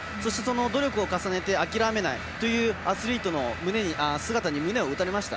努力を重ねて諦めないアスリートの姿に胸を打たれました。